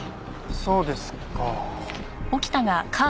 そうですか。